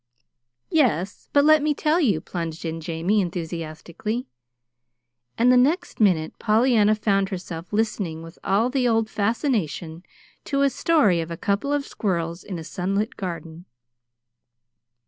'" "Yes, but let me tell you," plunged in Jamie, enthusiastically. And the next minute Pollyanna found herself listening with all the old fascination to a story of a couple of squirrels in a sunlit garden.